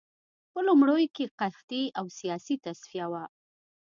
په لومړیو کې قحطي او سیاسي تصفیه وه